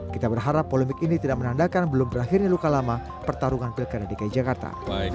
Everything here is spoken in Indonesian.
kita berharap polemik ini tidak menandakan belum berakhirnya luka lama pertarungan pilkada dki jakarta